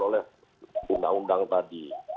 oleh undang undang tadi